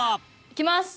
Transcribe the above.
いきます！